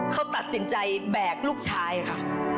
เขาตัดสินใจแบกลูกชายค่ะ